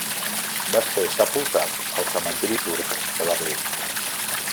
Va ser sepultat al cementiri turc de Berlín.